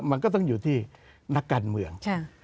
มันก็ต้องอยู่ที่นักการเมือง